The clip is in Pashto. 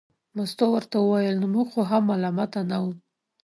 مستو ورته وویل نو موږ خو هم ملامته نه وو.